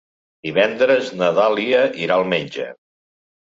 Divendres na Dàlia irà al metge.